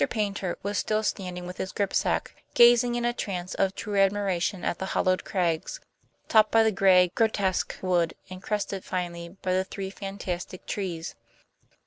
Paynter was still standing with his gripsack, gazing in a trance of true admiration at the hollowed crags, topped by the gray, grotesque wood, and crested finally by the three fantastic trees.